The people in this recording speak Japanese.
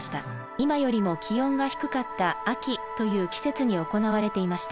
今よりも気温が低かった「秋」という季節に行われていました。